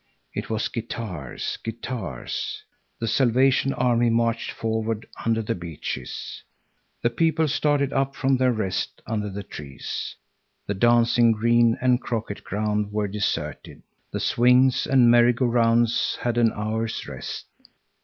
It was guitars, guitars. The Salvation Army marched forward under the beeches. The people started up from their rest under the trees. The dancing green and croquet ground were deserted. The swings and merry go rounds had an hour's rest.